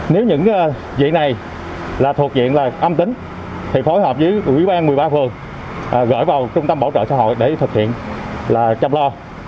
nếu những dị này thuộc diện âm tính thì phối hợp với ủy ban một mươi ba phường gửi vào trung tâm bảo trợ xã hội để thực hiện chăm lo